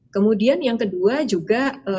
kemudian yang kedua juga